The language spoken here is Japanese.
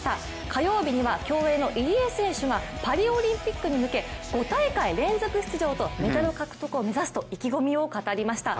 火曜日には競泳の入江選手がパリオリンピックに向け５大会連続出場とメダル獲得を目指すと意気込みを語りました。